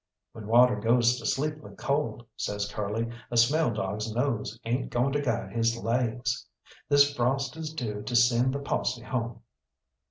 "When water goes to sleep with cold," says Curly, "a smell dog's nose ain't goin' to guide his laigs. This frost is due to send the posse home."